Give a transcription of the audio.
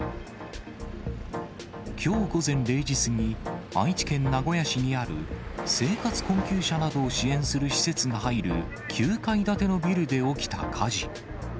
きょう午前０時過ぎ、愛知県名古屋市にある生活困窮者などを支援する施設が入る９階建てのビルで起きた火事。